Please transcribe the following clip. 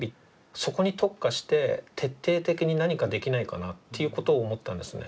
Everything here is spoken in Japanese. そこに特化して徹底的に何かできないかなっていうことを思ったんですね。